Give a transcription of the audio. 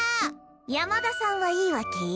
山田さんはいいわけ？